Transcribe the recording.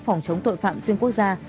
phòng chống tội phạm xuyên quốc gia